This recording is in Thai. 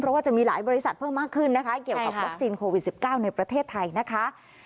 เพราะว่าจะมีหลายบริษัทเพิ่มมากขึ้นนะคะเกี่ยวกับวัคซีนโควิด๑๙ในประเทศไทยนะคะ